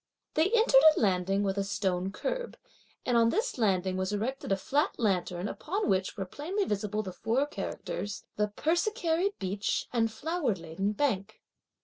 They entered a landing with a stone curb; and on this landing was erected a flat lantern upon which were plainly visible the four characters the "Persicary beach and flower laden bank."